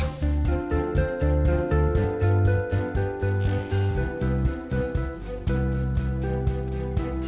apa itu kamar mandinya